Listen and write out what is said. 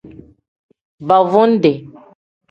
Baavundi.